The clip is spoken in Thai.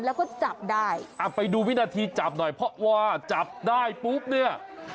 แล้วก็จับได้อ่ะไปดูวินาทีจับหน่อยเพราะว่าจับได้ปุ๊บเนี่ย